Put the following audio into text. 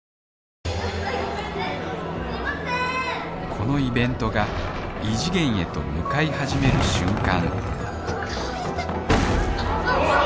このイベントが異次元へと向かい始める瞬間香さん。